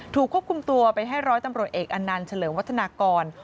ถูกควบคุมตัวไปให้ร้อยตำรวจเอกอันนันต์เฉลิมวัฒนากร